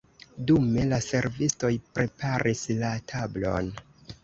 Dume la servistoj preparis la tablon.